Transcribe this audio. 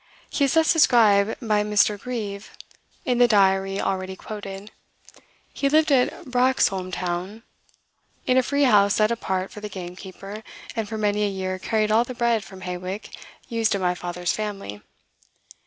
He is thus described by Mr. Grieve, in the Diary already quoted: "He lived at Branxholme Town, in a free house set apart for the gamekeeper, and for many a year carried all the bread from Hawick used in my father's family.